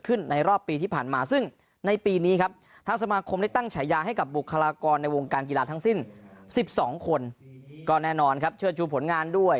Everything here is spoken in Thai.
ก็แน่นอนครับเชื่อชูผลงานด้วย